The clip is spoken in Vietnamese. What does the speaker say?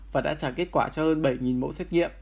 và đã trả kết quả cho hơn bảy mẫu xét nghiệm